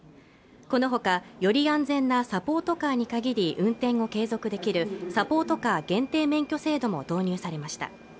このほかより安全なサポートカーに限り運転を継続できるサポートカー限定免許制度も導入されました